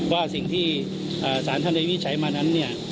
ว่าสิ่งที่ศาลท่านได้วิจัยมานั้นเนี่ย